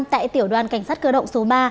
tại tiểu đoàn cảnh sát cơ động số ba